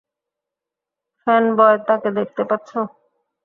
Fanboy, তাকে দেখতে পাচ্ছো?